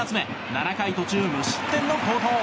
７回途中、無失点の好投。